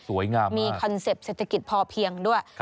สวยงามมากมีคอนเซ็ปต์เศรษฐกิจพอเพียงด้วย